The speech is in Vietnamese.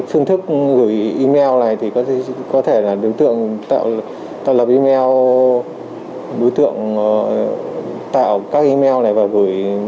phương thức gửi email này thì có thể là đối tượng tạo lập email đối tượng tạo các email này và gửi